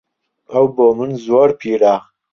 ئەو بۆ من زۆر پیرە.